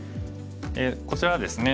こちらはですね